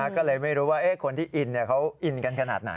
ก็เลยไม่รู้ว่าคนที่อินเขาอินกันขนาดไหน